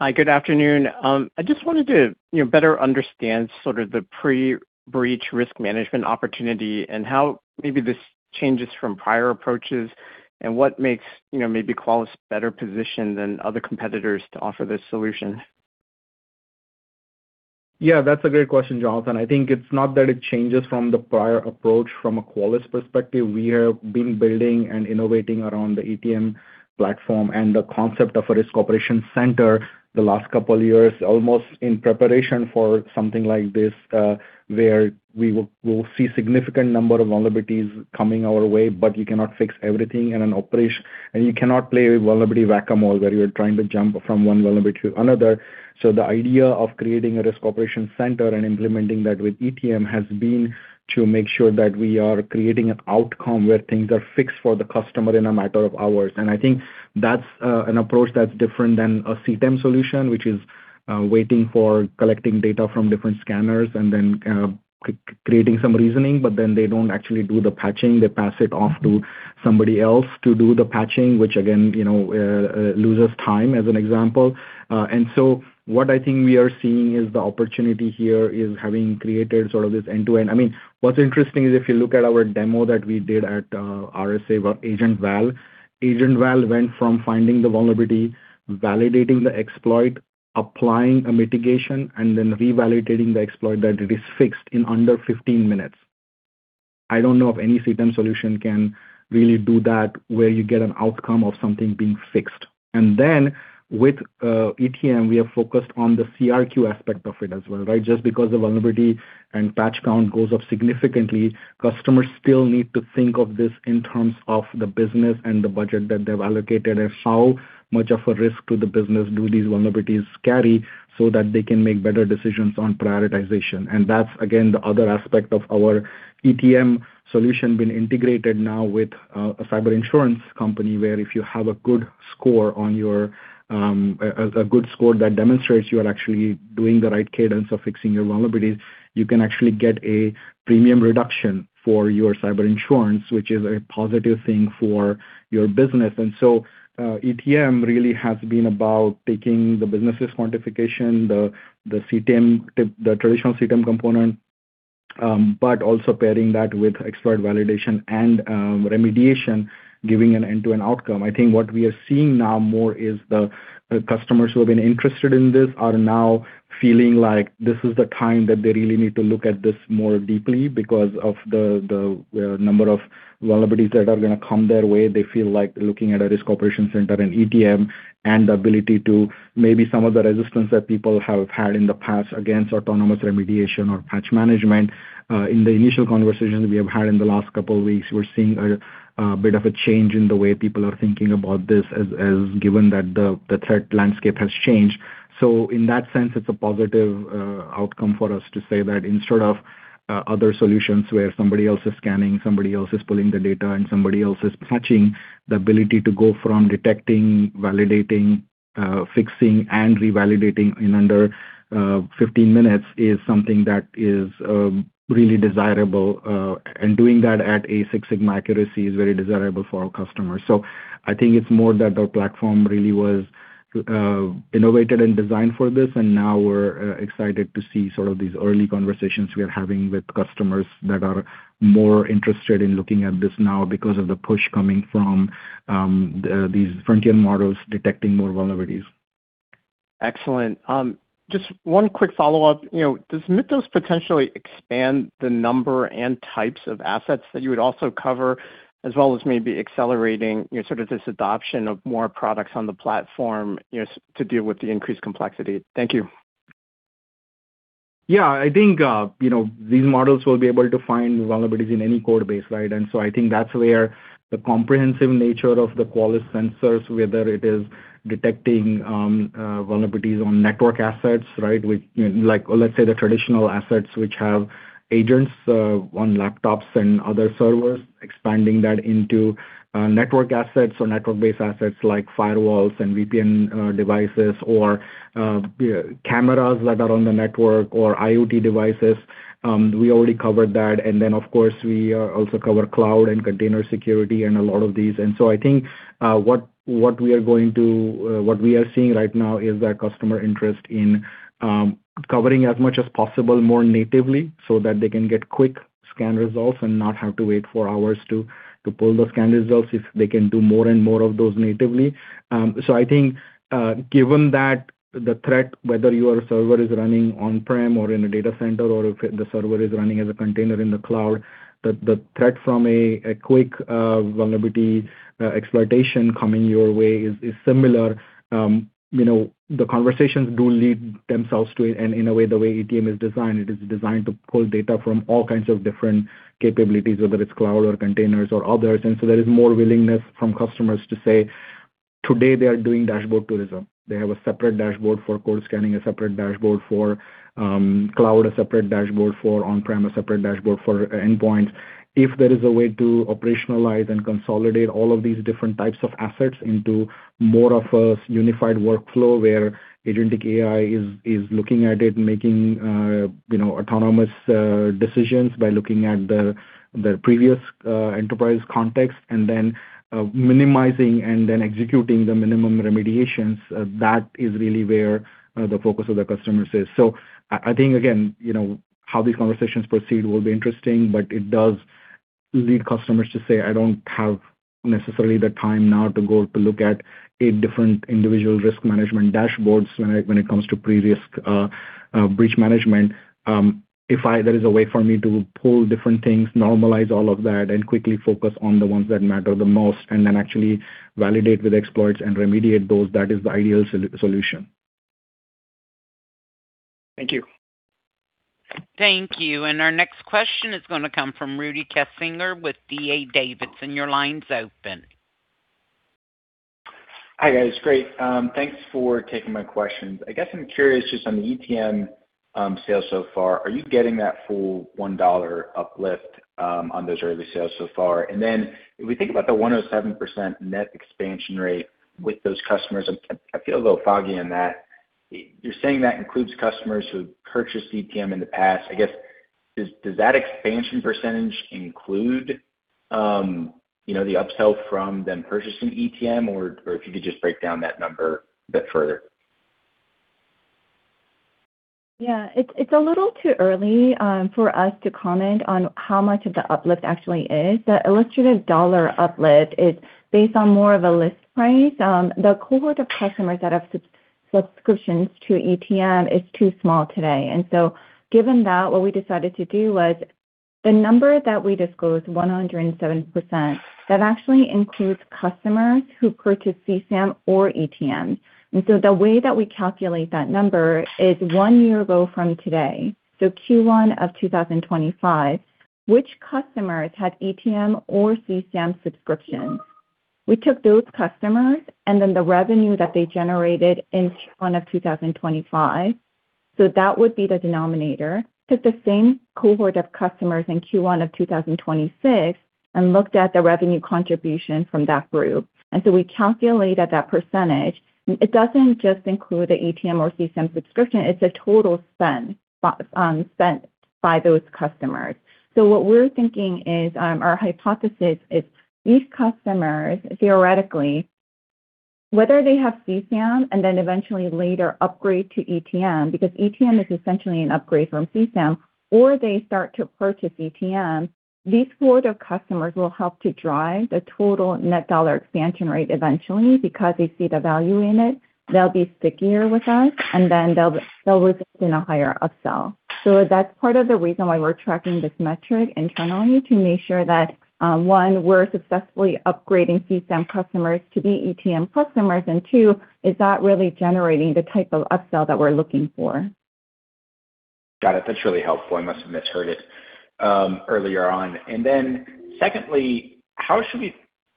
Hi. Good afternoon. I just wanted to, you know, better understand sort of the pre-breach risk management opportunity and how maybe this changes from prior approaches and what makes, you know, maybe Qualys better positioned than other competitors to offer this solution? Yeah, that's a great question, Jonathan. I think it's not that it changes from the prior approach from a Qualys perspective. We have been building and innovating around the EPM platform and the concept of a risk operation center the last two years, almost in preparation for something like this, where we'll see significant number of vulnerabilities coming our way, but you cannot fix everything and you cannot play vulnerability Whac-A-Mole, where you're trying to jump from one vulnerability to another. The idea of creating a risk operation center and implementing that with EPM has been to make sure that we are creating an outcome where things are fixed for the customer in a matter of hours. I think that's an approach that's different than a CTEM solution, which is waiting for collecting data from different scanners and then creating some reasoning, but then they don't actually do the patching. They pass it off to somebody else to do the patching, which again, you know, loses time, as an example. What I think we are seeing is the opportunity here is having created sort of this end-to-end. I mean, what's interesting is if you look at our demo that we did at RSA about Agent Val. Agent Val went from finding the vulnerability, validating the exploit, applying a mitigation, and then revalidating the exploit that it is fixed in under 15 minutes. I don't know of any CTEM solution can really do that where you get an outcome of something being fixed. With ETM, we are focused on the Cyber Risk Quantification aspect of it as well, right? Just because the vulnerability and patch count goes up significantly, customers still need to think of this in terms of the business and the budget that they've allocated, and how much of a risk to the business do these vulnerabilities carry so that they can make better decisions on prioritization. That's, again, the other aspect of our ETM solution being integrated now with a cyber insurance company, where if you have a good score on your, a good score that demonstrates you are actually doing the right cadence of fixing your vulnerabilities, you can actually get a premium reduction for your cyber insurance, which is a positive thing for your business. ETM really has been about taking the business' quantification, the CTEM, the traditional CTEM component, but also pairing that with exploit validation and remediation, giving an end-to-end outcome. I think what we are seeing now more is the customers who have been interested in this are now feeling like this is the time that they really need to look at this more deeply because of the number of vulnerabilities that are gonna come their way. They feel like looking at a risk operation center and ETM and the ability to maybe some of the resistance that people have had in the past against autonomous remediation or Patch Management, in the initial conversations we have had in the last couple of weeks, we're seeing a bit of a change in the way people are thinking about this as given that the threat landscape has changed. In that sense, it's a positive outcome for us to say that instead of other solutions where somebody else is scanning, somebody else is pulling the data, and somebody else is patching, the ability to go from detecting, validating, fixing and revalidating in under 15 minutes is something that is really desirable. And doing that at a Six Sigma accuracy is very desirable for our customers. I think it's more that our platform really was innovated and designed for this, and now we're excited to see sort of these early conversations we are having with customers that are more interested in looking at this now because of the push coming from these frontier models detecting more vulnerabilities. Excellent. Just one quick follow-up. You know, does Mythos potentially expand the number and types of assets that you would also cover, as well as maybe accelerating, you know, sort of this adoption of more products on the platform, you know, to deal with the increased complexity? Thank you. Yeah. I think, you know, these models will be able to find vulnerabilities in any code base, right? I think that's where the comprehensive nature of the Qualys sensors, whether it is detecting, vulnerabilities on network assets, right, with, you know, like, let's say the traditional assets which have agents, on laptops and other servers, expanding that into, network assets or network-based assets like firewalls and VPN, devices or, cameras that are on the network or IoT devices. We already covered that. Of course, we also cover cloud and container security and a lot of these. I think what we are seeing right now is that customer interest in covering as much as possible more natively so that they can get quick scan results and not have to wait for hours to pull those scan results if they can do more and more of those natively. I think given that the threat, whether your server is running on-premise or in a data center or if the server is running as a container in the cloud, the threat from a quick vulnerability exploitation coming your way is similar. You know, the conversations do lead themselves to it. In a way, the way ETM is designed, it is designed to pull data from all kinds of different capabilities, whether it's cloud or containers or others. There is more willingness from customers to say today they are doing dashboard tourism. They have a separate dashboard for code scanning, a separate dashboard for cloud, a separate dashboard for on-premise, a separate dashboard for endpoints. If there is a way to operationalize and consolidate all of these different types of assets into more of a unified workflow where agentic AI is looking at it and making, you know, autonomous decisions by looking at the previous enterprise context and then minimizing and then executing the minimum remediations, that is really where the focus of the customers is. I think, again, you know, how these conversations proceed will be interesting, but it does lead customers to say, "I don't have necessarily the time now to go to look at a different individual risk management dashboards when it comes to previous breach management. If there is a way for me to pull different things, normalize all of that, and quickly focus on the ones that matter the most, and then actually validate with exploits and remediate those, that is the ideal solution. Thank you. Thank you. Our next question is gonna come from Rudy Kessinger with D.A. Davidson. Your line's open. Hi, guys. Great. Thanks for taking my questions. I guess I'm curious just on the ETM sales so far, are you getting that full $1 uplift on those early sales so far? Then if we think about the 107% net expansion rate with those customers, I feel a little foggy on that. You're saying that includes customers who purchased CPM in the past. I guess, does that expansion percentage include the upsell from them purchasing EPM? Or if you could just break down that number a bit further. Yeah. It's, it's a little too early for us to comment on how much of the uplift actually is. The illustrative dollar uplift is based on more of a list price. The cohort of customers that have sub-subscriptions to EPM is too small today. Given that, what we decided to do was the number that we disclosed, 107%, that actually includes customers who purchased CSAM or EPM. The way that we calculate that number is one year ago from today, so Q1 of 2025, which customers had EPM or CSAM subscriptions. We took those customers and then the revenue that they generated in Q1 of 2025, so that would be the denominator. Took the same cohort of customers in Q1 of 2026 and looked at the revenue contribution from that group. We calculated that %. It doesn't just include the EPM or CSAM subscription, it's the total spend spent by those customers. What we're thinking is, our hypothesis is these customers, theoretically, whether they have CSAM and then eventually later upgrade to EPM, because EPM is essentially an upgrade from CSAM, or they start to purchase EPM, these cohort of customers will help to drive the total net dollar expansion rate eventually because they see the value in it. They'll be stickier with us, they'll result in a higher upsell. That's part of the reason why we're tracking this metric internally to make sure that, one, we're successfully upgrading CSAM customers to be EPM customers, and two, is that really generating the type of upsell that we're looking for. Got it. That's really helpful. I must have misheard it earlier on. Secondly,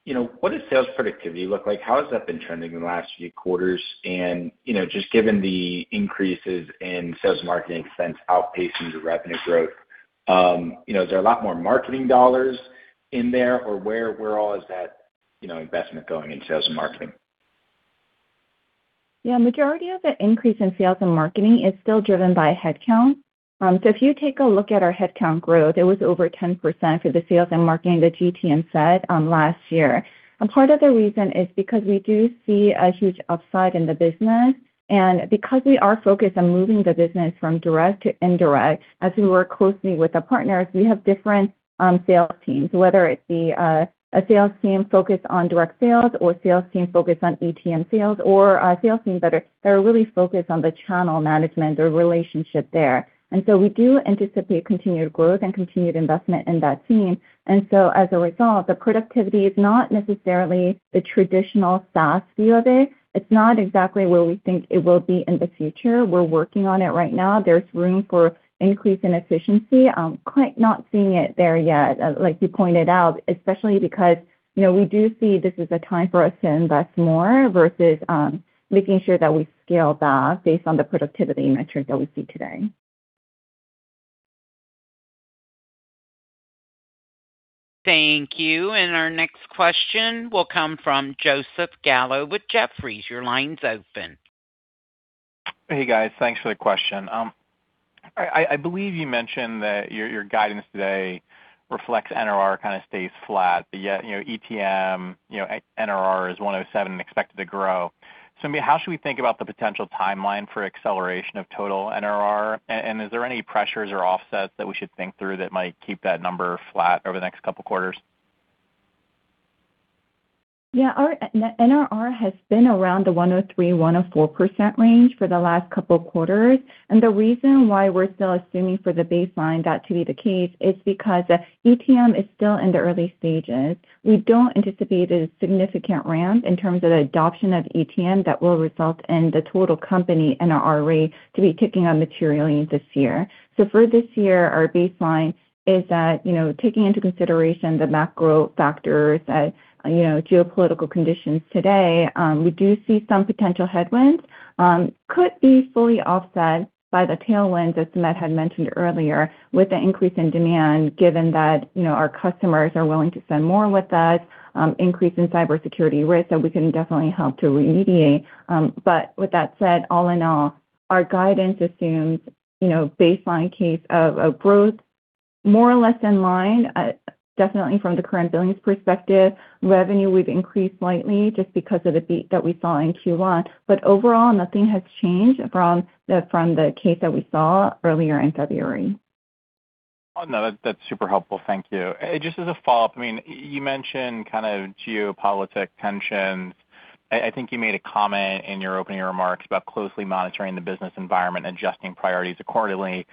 you know, what does sales productivity look like? How has that been trending in the last few quarters? You know, just given the increases in sales and marketing expense outpacing the revenue growth, you know, is there a lot more marketing dollars in there? Or where all is that, you know, investment going in sales and marketing? Yeah. Majority of the increase in sales and marketing is still driven by headcount. If you take a look at our headcount growth, it was over 10% for the sales and marketing, the GTM side, last year. Part of the reason is because we do see a huge upside in the business, and because we are focused on moving the business from direct to indirect. As we work closely with the partners, we have different sales teams, whether it be a sales team focused on direct sales or a sales team focused on ETM sales or a sales team that are really focused on the channel management or relationship there. We do anticipate continued growth and continued investment in that team. As a result, the productivity is not necessarily the traditional Software as a Service view of it. It's not exactly where we think it will be in the future. We're working on it right now. There's room for increase in efficiency. Quite not seeing it there yet, like you pointed out, especially because, you know, we do see this as a time for us to invest more versus making sure that we scale back based on the productivity metrics that we see today. Thank you. Our next question will come from Joseph Gallo with Jefferies. Your line's open. Hey, guys. Thanks for the question. I believe you mentioned that your guidance today reflects Net Revenue Retention kind of stays flat, but yet, you know, ETM, you know, NRR is 107 and expected to grow. I mean, how should we think about the potential timeline for acceleration of total NRR? And is there any pressures or offsets that we should think through that might keep that number flat over the next two quarters? Yeah. Our NRR has been around the 103%, 104% range for the last couple quarters. The reason why we're still assuming for the baseline that to be the case is because ETM is still in the early stages. We don't anticipate a significant ramp in terms of the adoption of ETM that will result in the total company NRR rate to be ticking on materially this year. For this year, our baseline is that, you know, taking into consideration the macro factors that, you know, geopolitical conditions today, we do see some potential headwinds. Could be fully offset by the tailwinds, as Sumedh had mentioned earlier, with the increase in demand, given that, you know, our customers are willing to spend more with us, increase in cybersecurity risk that we can definitely help to remediate. With that said, all in all, our guidance assumes, you know, baseline case of growth more or less in line, definitely from the current billings perspective. Revenue, we've increased slightly just because of the beat that we saw in Q1. Overall, nothing has changed from the case that we saw earlier in February. Oh, no, that's super helpful. Thank you. Just as a follow-up, I mean, you mentioned kind of geopolitical tensions. I think you made a comment in your opening remarks about closely monitoring the business environment and adjusting priorities accordingly.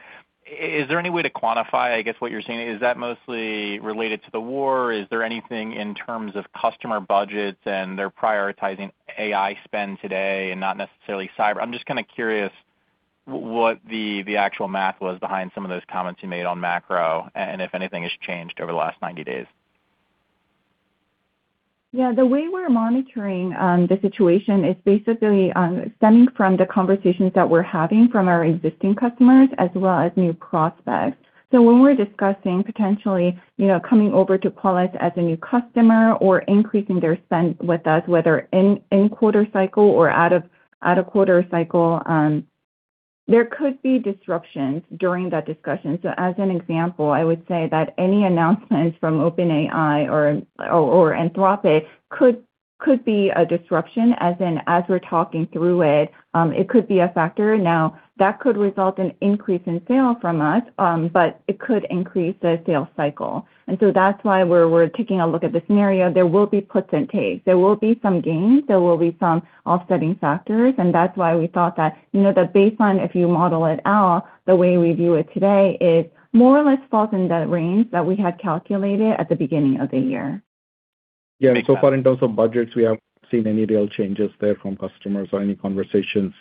Is there any way to quantify, I guess, what you're saying? Is that mostly related to the war? Is there anything in terms of customer budgets and they're prioritizing AI spend today and not necessarily cyber? I'm just kind of curious what the actual math was behind some of those comments you made on macro, and if anything has changed over the last 90 days. Yeah, the way we're monitoring the situation is basically stemming from the conversations that we're having from our existing customers as well as new prospects. When we're discussing potentially, you know, coming over to Qualys as a new customer or increasing their spend with us, whether in quarter cycle or out of quarter cycle, there could be disruptions during that discussion. As an example, I would say that any announcements from OpenAI or Anthropic could be a disruption, as in, as we're talking through it could be a factor. Now, that could result in increase in sale from us, but it could increase the sales cycle. That's why we're taking a look at the scenario. There will be puts and takes. There will be some gains, there will be some offsetting factors. That's why we thought that, you know, the baseline, if you model it out, the way we view it today is more or less falls in the range that we had calculated at the beginning of the year. So far in terms of budgets, we haven't seen any real changes there from customers or any conversations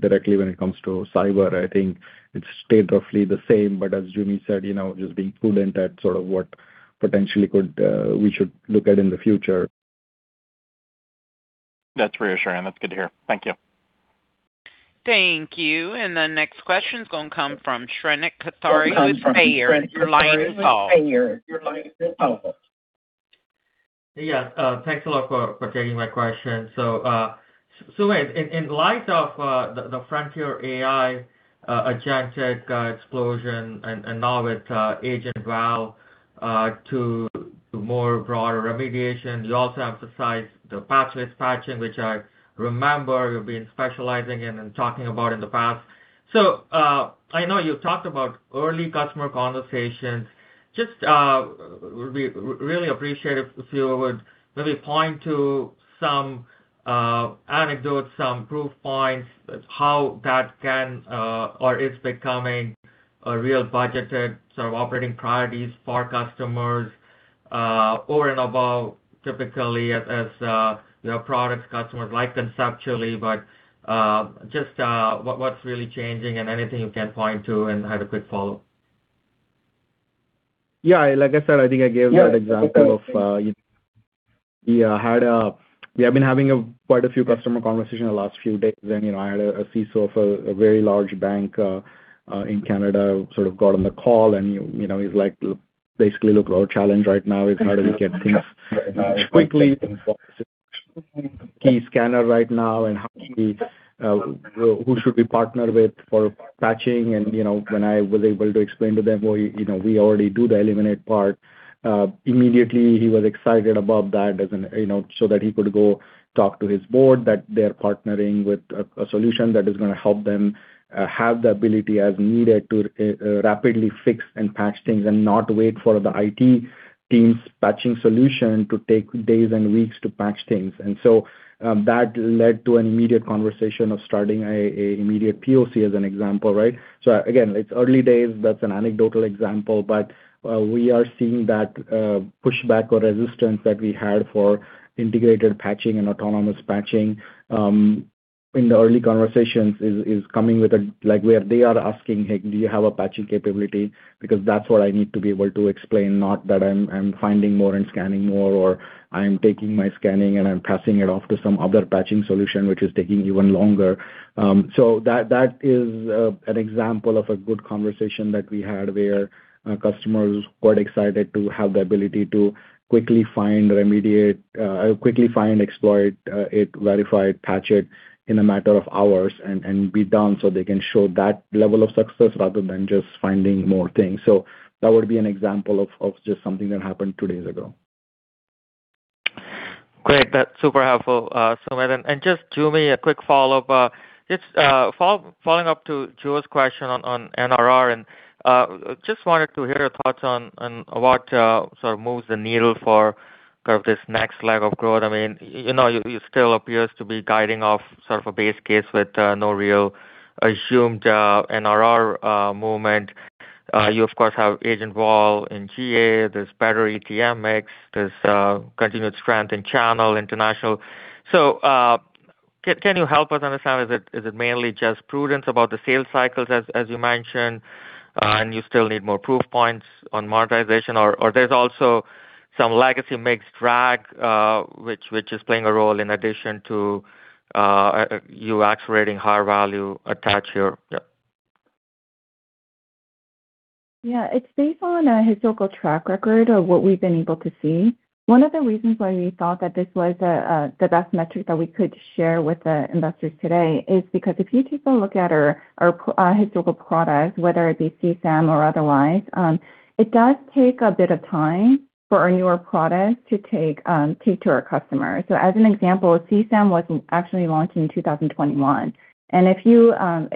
directly when it comes to cyber. I think it's stayed roughly the same. As Joo Mi said, you know, just being prudent at sort of what potentially could we should look at in the future. That's reassuring. That's good to hear. Thank you. Thank you. The next question's going to come from Shrenik Kothari with Baird. Your line is open. Yeah, thanks a lot for taking my question. Sumedh, in light of the frontier AI agentic explosion and now with Agent Val to more broader remediation. You also emphasized the Patchless Patching, which I remember you've been specializing in and talking about in the past. I know you talked about early customer conversations. Just, we'd really appreciate if you would maybe point to some anecdotes, some proof points how that can or is becoming a real budgeted sort of operating priorities for customers over and above typically as, you know, products customers like conceptually, just what's really changing and anything you can point to and have a quick follow. Yeah. Like I said, I think I gave that example of, We have been having quite a few customer conversations the last few days. You know, I had a CISO for a very large bank in Canada sort of got on the call and, you know, he's like, basically, "Look, our challenge right now is how do we get things key scanner right now, and how do we, who should we partner with for patching?" You know, when I was able to explain to them, well, you know, we already do the eliminate part, immediately he was excited about that. You know, so that he could go talk to his board that they're partnering with a solution that is gonna help them have the ability as needed to rapidly fix and patch things and not wait for the IT team's patching solution to take days and weeks to patch things. That led to an immediate conversation of starting an immediate POC as an example, right? It's early days. That's an anecdotal example. We are seeing that pushback or resistance that we had for integrated patching and autonomous patching in the early conversations is coming with Like, where they are asking, "Hey, do you have a patching capability? Because that's what I need to be able to explain, not that I'm finding more and scanning more, or I'm taking my scanning and I'm passing it off to some other patching solution which is taking even longer. That is an example of a good conversation that we had where a customer was quite excited to have the ability to quickly find, remediate, Quickly find, exploit, it, verify it, patch it in a matter of hours and be done so they can show that level of success rather than just finding more things. That would be an example of just something that happened two days ago. Great. That's super helpful, Sumedh. Just, Joo Mi, a quick follow-up. Just following up to Joseph's question on NRR. Just wanted to hear your thoughts on what sort of moves the needle for sort of this next leg of growth. I mean, you know, you still appears to be guiding off sort of a base case with no real assumed NRR movement. You of course have Agent Val in GA. There's better ETM mix. There's continued strength in channel international. Can you help us understand is it mainly just prudence about the sales cycles as you mentioned, and you still need more proof points on monetization? There's also some legacy mix drag, which is playing a role in addition to you accelerating high value attach here? Yeah. Yeah. It's based on a historical track record of what we've been able to see. One of the reasons why we thought that this was the best metric that we could share with the investors today is because if you take a look at our historical products, whether it be CSAM or otherwise, it does take a bit of time for a newer product to take to our customers. As an example, CSAM was actually launched in 2021. If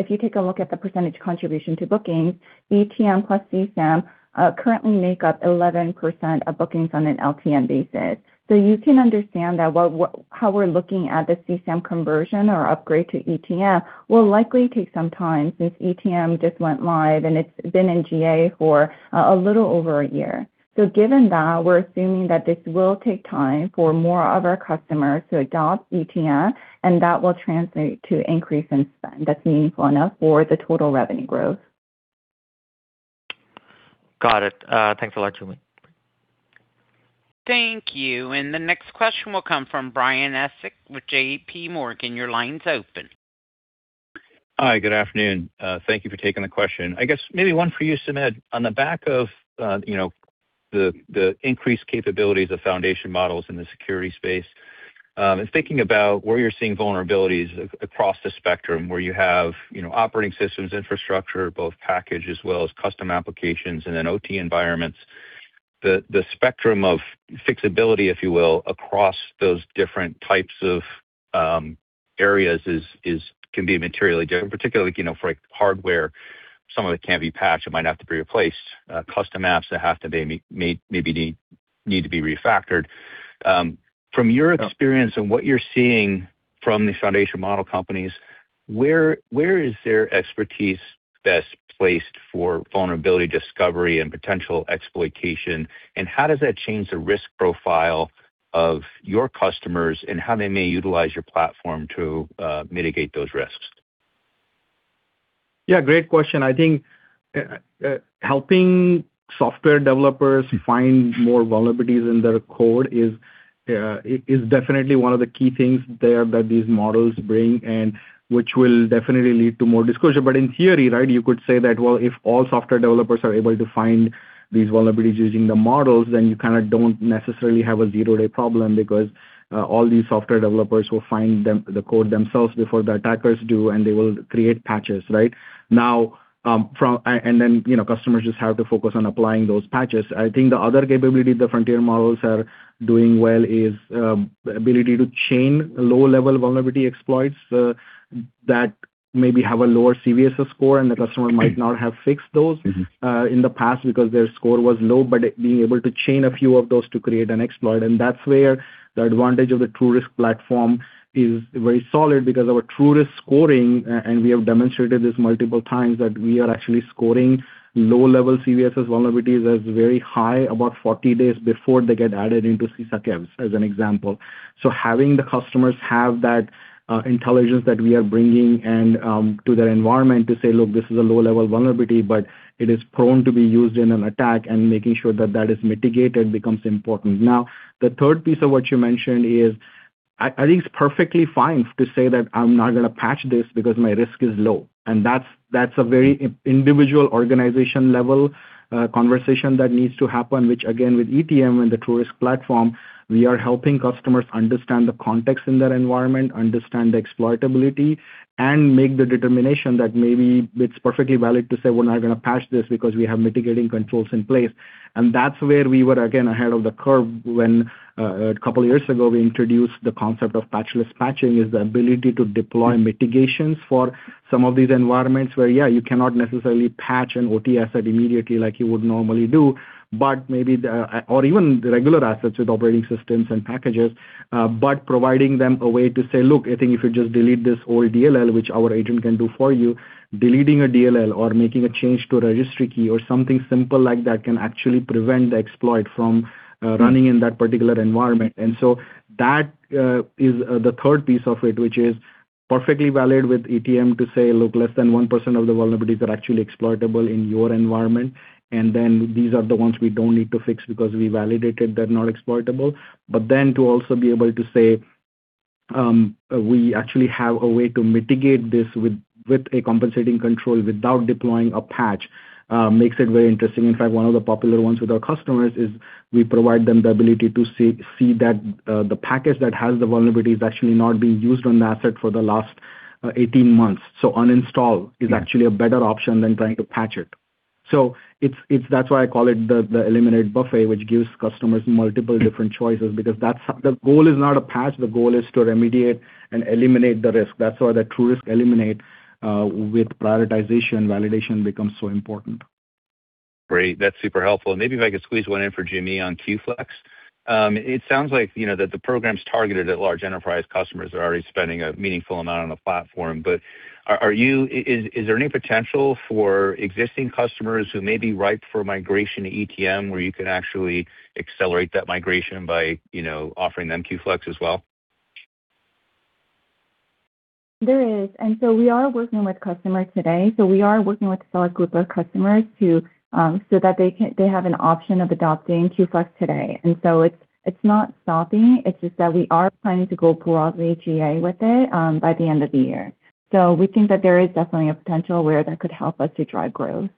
you take a look at the percentage contribution to bookings, ETM plus CSAM currently make up 11% of bookings on an LTM basis. You can understand that how we're looking at the CSAM conversion or upgrade to ETM will likely take some time since ETM just went live, and it's been in GA for a little over a year. Given that, we're assuming that this will take time for more of our customers to adopt ETM, and that will translate to increase in spend that's meaningful enough for the total revenue growth. Got it. Thanks a lot, Joo Mi. Thank you. The next question will come from Brian Essex with JPMorgan. Your line's open. Hi, good afternoon. Thank you for taking the question. I guess maybe one for you, Sumedh. On the back of, you know, the increased capabilities of foundation models in the security space, and thinking about where you're seeing vulnerabilities across the spectrum where you have, you know, operating systems, infrastructure, both package as well as custom applications and then Operational Technology environments. The spectrum of fixability, if you will, across those different types of areas is can be materially different. Particularly, you know, for like hardware, some of it can't be patched, it might have to be replaced. Custom apps that have to be maybe need to be refactored. From your experience and what you're seeing from the foundation model companies, where is their expertise best placed for vulnerability discovery and potential exploitation? How does that change the risk profile of your customers and how they may utilize your platform to mitigate those risks? Yeah, great question. I think helping software developers find more vulnerabilities in their code is definitely one of the key things there that these models bring and which will definitely lead to more disclosure. In theory, right, you could say that, well, if all software developers are able to find these vulnerabilities using the models, then you kinda don't necessarily have a zero-day problem because all these software developers will find them the code themselves before the attackers do, and they will create patches, right? Then, you know, customers just have to focus on applying those patches. I think the other capability the frontier models are doing well is the ability to chain low-level vulnerability exploits that maybe have a lower CVSS score and the customer might not have fixed those. in the past because their score was low, but being able to chain a few of those to create an exploit. That's where the advantage of the TruRisk platform is very solid because our TruRisk scoring, and we have demonstrated this multiple times, that we are actually scoring low-level Common Vulnerability Scoring System vulnerabilities as very high, about 40 days before they get added into CISA Known Exploited Vulnerabilities, as an example. Having the customers have that intelligence that we are bringing and to their environment to say, "Look, this is a low-level vulnerability, but it is prone to be used in an attack," and making sure that that is mitigated becomes important. The third piece of what you mentioned is I think it's perfectly fine to say that I'm not gonna patch this because my risk is low. That's a very individual organization level conversation that needs to happen, which again, with ETM and the TruRisk platform, we are helping customers understand the context in their environment, understand the exploitability, and make the determination that maybe it's perfectly valid to say, "We're not gonna patch this because we have mitigating controls in place." That's where we were, again, ahead of the curve when a couple of years ago we introduced the concept of Patchless Patching, is the ability to deploy mitigations for some of these environments where, yeah, you cannot necessarily patch an OT asset immediately like you would normally do, but maybe the even the regular assets with operating systems and packages. Providing them a way to say, "Look, I think if you just delete this old DLL," which our agent can do for you. Deleting a DLL or making a change to a registry key or something simple like that can actually prevent the exploit from running in that particular environment. That is the third piece of it, which is perfectly valid with ETM to say, "Look, less than 1% of the vulnerabilities are actually exploitable in your environment." These are the ones we don't need to fix because we validated they're not exploitable. To also be able to say, "We actually have a way to mitigate this with a compensating control without deploying a patch," makes it very interesting. In fact, one of the popular ones with our customers is we provide them the ability to see that the package that has the vulnerability is actually not being used on the asset for the last 18 months. Uninstall is actually a better option than trying to patch it. That's why I call it the eliminate buffet, which gives customers multiple different choices because the goal is not to patch, the goal is to remediate and eliminate the risk. That's why the TruRisk Eliminate with prioritization, validation becomes so important. Great. That's super helpful. Maybe if I could squeeze one in for Joo Mi on Q-Flex. It sounds like, you know, that the program's targeted at large enterprise customers that are already spending a meaningful amount on the platform. Is there any potential for existing customers who may be ripe for migration to ETM where you can actually accelerate that migration by, you know, offering them Q-Flex as well? There is. We are working with customers today. We are working with a select group of customers to so that they have an option of adopting Q-Flex today. It's not stopping. It's just that we are planning to go broadly GA with it by the end of the year. We think that there is definitely a potential where that could help us to drive growth.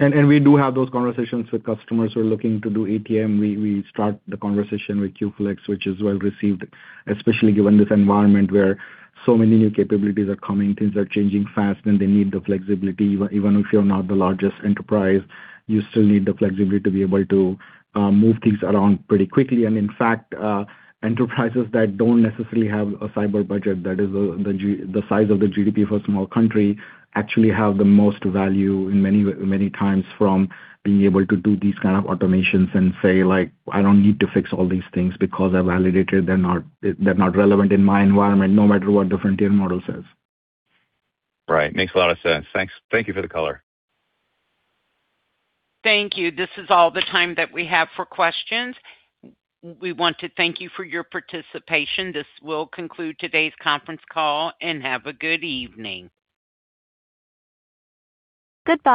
We do have those conversations with customers who are looking to do ETM. We start the conversation with Q-Flex, which is well-received, especially given this environment where so many new capabilities are coming, things are changing fast, and they need the flexibility. Even if you're not the largest enterprise, you still need the flexibility to be able to move things around pretty quickly. In fact, enterprises that don't necessarily have a cyber budget that is the size of the Gross Domestic Product of a small country actually have the most value many times from being able to do these kind of automations and say, like, "I don't need to fix all these things because I validated they're not relevant in my environment no matter what the frontier model says. Right. Makes a lot of sense. Thanks. Thank you for the color. Thank you. This is all the time that we have for questions. We want to thank you for your participation. This will conclude today's conference call, and have a good evening. Goodbye.